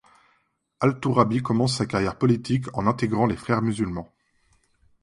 Al-Tourabi commence sa carrière politique en intégrant les Frères musulmans.